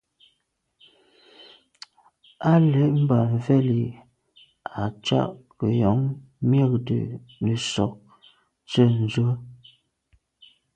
Á lɛ̀ɛ́n mbə̄ mvɛ́lì à’cák gə̀jɔ̀ɔ́ŋ mjɛ́ɛ̀’də̄ nə̀sɔ̀ɔ́k tsə̂ ndzwə́.